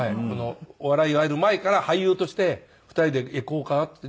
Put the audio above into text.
お笑いやる前から俳優として２人でいこうかっていって。